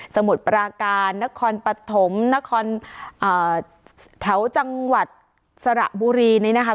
มุดปราการนครปฐมนครแถวจังหวัดสระบุรีนี้นะคะ